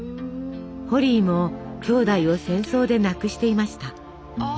ホリーもきょうだいを戦争で亡くしていました。